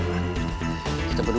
kita berdua gak bisa berdua